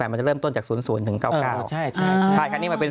มันจะเริ่มต้นจาก๐๐ถึง๙๙ใช่ค่ะนี่มันเป็น๐๕๐๕๐๕